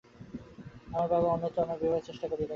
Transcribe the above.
আমার বাবা অন্যত্র আমার বিবাহের চেষ্টা করলেন।